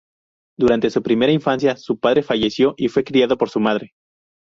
Durante su primera infancia su padre falleció y fue criado por su madre.